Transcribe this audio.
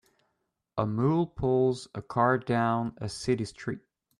A mule pulls a cart down a city street.